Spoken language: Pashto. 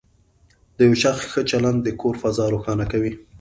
د یو شخص ښه چلند د کور فضا روښانه کوي.